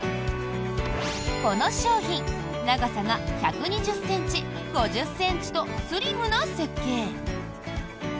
この商品長さが１２０ｃｍ、５０ｃｍとスリムな設計。